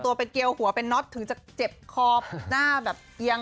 ตัวเป็นเกียวหัวเป็นน็อตถึงจะเจ็บคอหน้าแบบเอียง